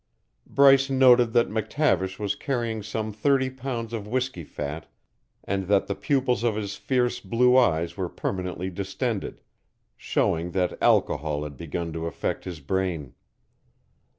Bryce noted that McTavish was carrying some thirty pounds of whiskey fat and that the pupils of his fierce blue eyes were permanently distended, showing that alcohol had begun to affect his brain.